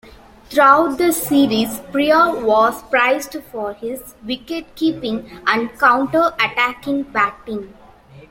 Throughout the series Prior was praised for his wicketkeeping and counterattacking batting.